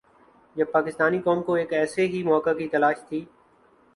جب پاکستانی قوم کو ایک ایسے ہی موقع کی تلاش تھی۔